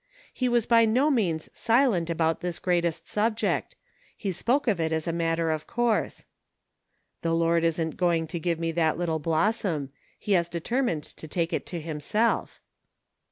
He was by no means silent about this greatest subject ; he spoke of it as a matter of course. " The Lord isn't going to give me that little Blossom ; he has determined to take it to himself."